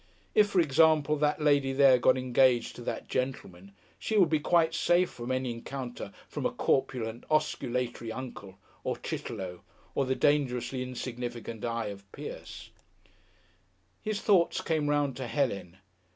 If, for example, that lady there got engaged to that gentleman, she would be quite safe from any encounter from a corpulent, osculatory Uncle, or Chitterlow, or the dangerously insignificant eye of Pierce. His thoughts came round to Helen.